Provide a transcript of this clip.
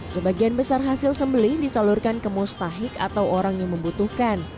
sebagian besar hasil sembeli disalurkan ke mustahik atau orang yang membutuhkan